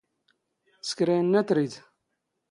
ⵙⴽⵔ ⴰⵢⵏⵏⴰ ⵜⵔⵉⴷ.